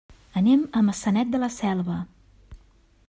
Anem a Maçanet de la Selva.